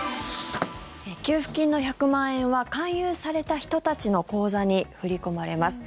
給付金の１００万円は勧誘された人たちの口座に振り込まれます。